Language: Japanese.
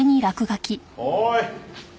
おい！